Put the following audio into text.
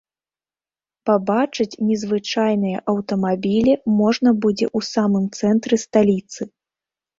Пабачыць незвычайныя аўтамабілі можна будзе ў самым цэнтры сталіцы.